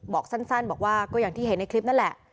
บอกสั้นบอกว่าก็อย่างที่เห็นในคลิปนั่นแหละ